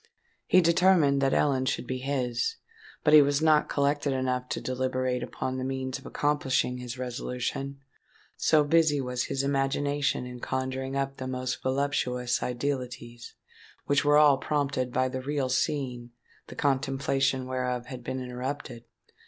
He determined that Ellen should be his; but he was not collected enough to deliberate upon the means of accomplishing his resolution,—so busy was his imagination in conjuring up the most voluptuous idealities, which were all prompted by the real scene the contemplation whereof had been interrupted.